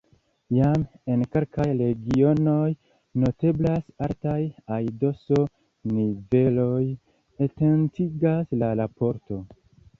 Jam en kelkaj regionoj noteblas altaj aidoso-niveloj, atentigas la raporto.